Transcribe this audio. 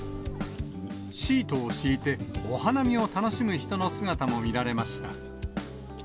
シートを敷いて、お花見を楽しむ人の姿も見られました。